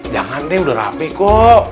jangan deh udah rapi kok